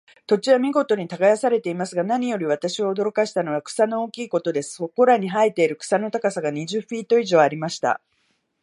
土地は見事に耕されていますが、何より私を驚かしたのは、草の大きいことです。そこらに生えている草の高さが、二十フィート以上ありました。